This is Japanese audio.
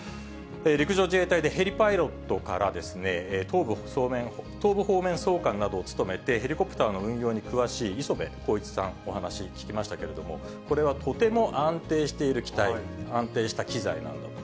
陸上自衛隊でヘリパイロットから東部方面総監などを務めてヘリコプターの運用に詳しい磯部晃一さん、お話聞きましたけれども、これはとても安定している機体、安定した機材なんだと。